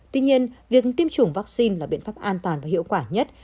tuy nhiên việc tiêm chủng vaccine là biện pháp an toàn và hiệu quả nhất